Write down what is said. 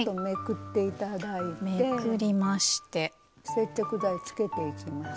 接着剤つけていきます。